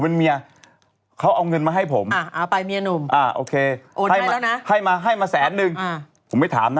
ถ้าเกิดพี่หนุ่มเอาเงินให้พี่เมพี่เมจะถามอะ